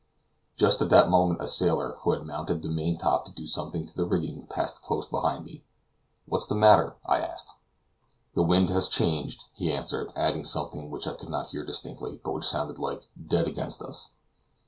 Just at that moment a sailor, who had mounted to the main top to do something to the rigging, passed close behind me. "What's the matter?" I asked. "The wind has changed," he answered, adding something which I could not hear distinctly, but which sounded like "dead against us."